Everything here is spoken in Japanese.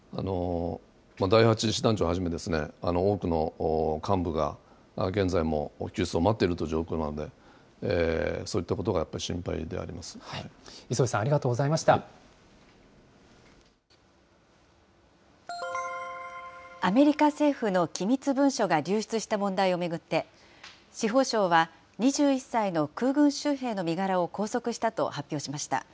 第８師団長はじめ、多くの幹部が現在も救出を待っているという状況なので、そういったことがやっ磯部さん、ありがとうございアメリカ政府の機密文書が流出した問題を巡って、司法省は２１歳の空軍州兵の身柄を拘束したと発表しました。